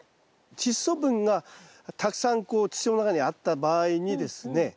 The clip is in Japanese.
チッ素分がたくさんこう土の中にあった場合にですね